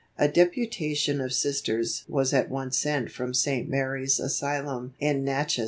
A deputation of Sisters was at once sent from St. Mary's Asylum in Natchez.